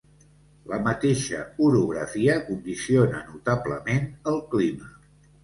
La mateixa orografia condiciona notablement el clima.